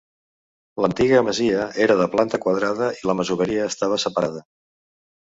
L'antiga masia era de planta quadrada i la masoveria estava separada.